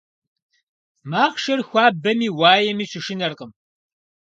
Махъшэр хуабэми уаеми щышынэркъым.